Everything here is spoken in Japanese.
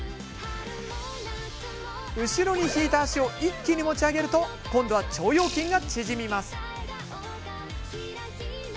後ろに引いた足を一気に持ち上げると今度は腸腰筋が縮みます。